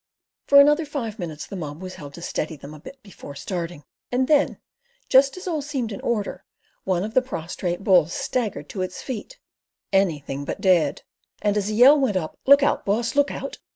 For another five minutes the mob was "held" to steady them a bit before starting, and then, just as all seemed in order, one of the prostrate bulls staggered to its feet—anything but dead; and as a yell went up "Look out, boss! look out!"